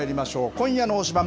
今夜の推しバン！